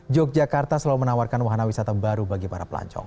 yogyakarta selalu menawarkan wahana wisata baru bagi para pelancong